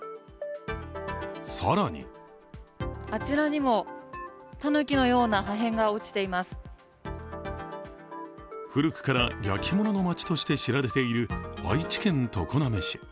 更に古くから焼き物の街として知られている愛知県常滑市。